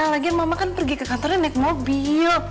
lagian mama kan pergi ke kantornya naik mobil